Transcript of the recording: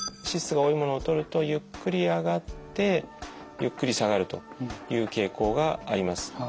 脂質が多いものをとるとゆっくり上がってゆっくり下がるという傾向があります。